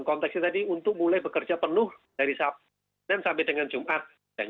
konteksnya tadi untuk mulai bekerja penuh dari sabtu dan sampai dengan jumat